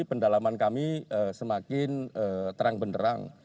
pendalaman kami semakin terang benderang